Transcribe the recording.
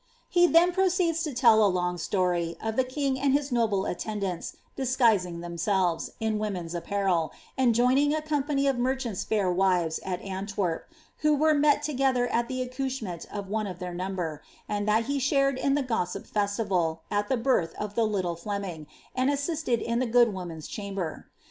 He then pro ceeds to tell a long story, of the king and his noble attendants disguisinf themselves in women's apparel, and joining a company of merchants^ fiur wives at Antwerp, who were met together at the accouchement of one of their number, and that he shared in the gossip festival, at the birth of the little Fleming, and assisted in the good woman's chamber.